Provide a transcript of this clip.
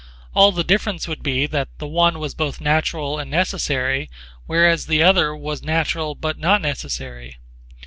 All the difference would be that the one was both natural and necessary whereas the other was natural but not necessary.